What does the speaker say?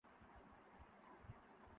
رواں ہے نبض دوراں گردشوں میں آسماں سارے